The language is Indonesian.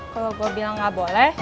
kalau gue bilang gak boleh